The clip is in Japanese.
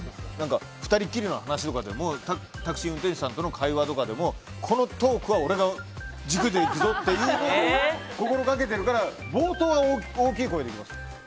２人きりの話とかでもタクシー運転手さんとの会話とかでも、このトークは俺が軸でいくぞっていうのを心がけてるから冒頭は大きい声でいきます。